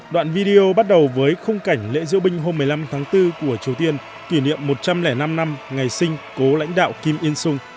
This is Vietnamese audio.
đoạn video bắt đầu với khung cảnh lễ diễu binh hôm một mươi năm tháng bốn của triều tiên kỷ niệm một trăm linh năm năm ngày sinh cố lãnh đạo kim yên sung